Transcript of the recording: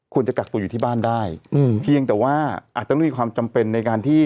จะกักตัวอยู่ที่บ้านได้อืมเพียงแต่ว่าอาจจะไม่มีความจำเป็นในการที่